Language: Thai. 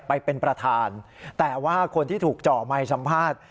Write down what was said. ไปเป็นประธานแต่ว่าคนที่ถูกเจาะไมค์สัมภาษณ์